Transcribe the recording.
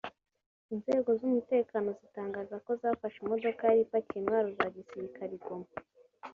Inzego z’umutekano zitangaza ko zafashe imodoka yari ipakiye intwaro za gisirikare i Goma